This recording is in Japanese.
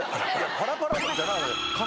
パラパラじゃない。